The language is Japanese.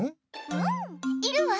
うんいるわ！